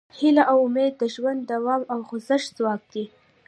هیله او امید د ژوند د دوام او خوځښت ځواک دی.